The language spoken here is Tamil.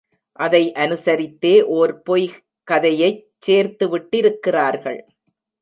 அதை அனுசரித்தே ஓர் பொய்க்கதையைச் சேர்த்துவிட்டிருக்கிறார்கள்.